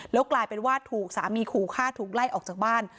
แล้วกลายเป็นว่าถูกสามีขู่ฆ่าถูกไล่ออกจากบ้าน